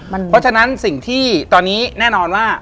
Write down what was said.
เพราะฉะนั้นสิ่งที่ตอนนี้แน่นอนว่า